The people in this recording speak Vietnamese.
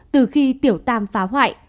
từ khi tiểu tam phá hoại